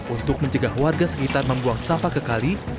untuk mencegah warga sekitar membuang sampah ke kali